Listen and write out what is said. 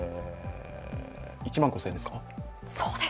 １万５０００円ですか。